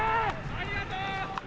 ありがとう！